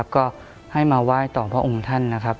ก็ให้มาไหว้ต่อพระองค์ท่าน